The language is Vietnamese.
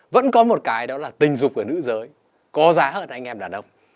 vẫn có một cái đó là tình dục của nữ giới có giá hơn anh em đàn ông